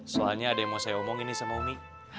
soalnya ada yang mau saya omongin nih sama umi